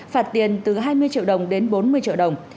phạt tiền từ hai mươi triệu đồng đến bốn mươi triệu đồng